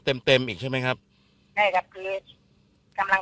ตอนนั้นนี่อะมันต้องผ่านพวกกะปำชา